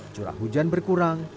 curah hujan berkurang